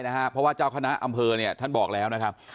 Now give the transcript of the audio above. เพราะว่าเจ้าคณะอำเภอเนี่ยท่านบอกแล้วนะครับ